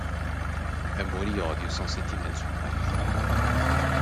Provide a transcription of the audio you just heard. Amor e ódio são sentimentos humanos.